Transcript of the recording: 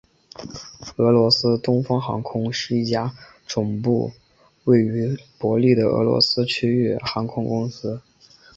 俄罗斯东方航空是一家总部位于伯力的俄罗斯区域航空公司。